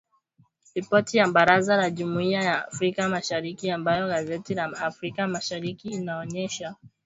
Ripoti ya Baraza la Jumuiya ya Afrika Mashariki ambayo gazeti la Afrika Mashariki inaonyesha Uganda haijaridhishwa.